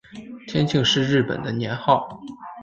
天庆是日本的年号。